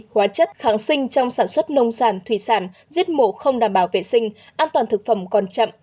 hóa chất kháng sinh trong sản xuất nông sản thủy sản giết mổ không đảm bảo vệ sinh an toàn thực phẩm còn chậm